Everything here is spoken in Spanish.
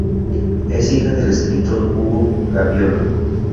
Es hija del escritor Hugo Gaviola.